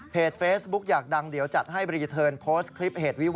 เพจเฟซบุ๊คอยากดังเดี๋ยวจัดให้รีเทิร์นโพสต์